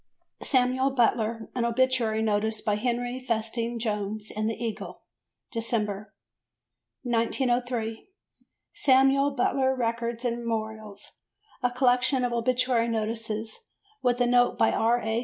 "Samuel Butler," an obituary notice by Henry Festing Jones in the Eagle (December). 1903. Samuel Butler Records and Memorials, a collection of obituary notices with a note by R. A.